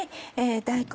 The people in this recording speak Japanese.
大根